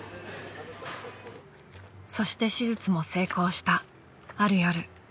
［そして手術も成功したある夜］